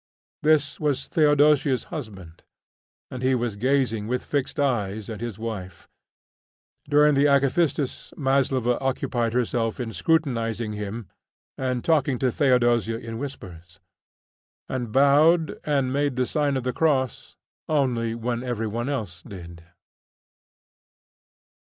This was Theodosia's husband, and he was gazing with fixed eyes at his wife. During the acathistus Maslova occupied herself in scrutinising him and talking to Theodosia in whispers, and bowed and made the sign of the cross only when every one else did.